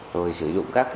rồi sử dụng các